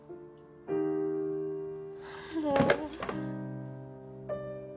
もう。